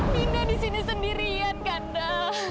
dinda disini sendirian kanda